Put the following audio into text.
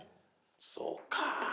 そうか。